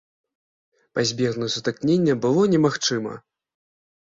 Пазбегнуць сутыкнення было немагчыма.